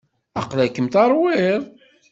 Aqla-kem terwiḍ.